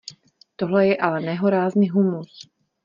Tohle je ale nehorázný humus.